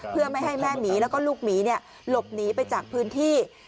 เพื่อไม่ให้แม่หมีแล้วก็ลูกหมีหลบหนีไปจากพื้นที่